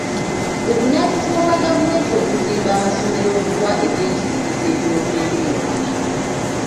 Buvunaanyizibwa bwa gavumenti okuzimba amasomero okuwa ebyenjigiriza eby'obwereere.